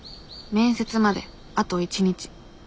面接まであと１日。